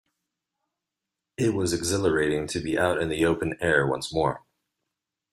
It was exhilarating to be out in the open air once more.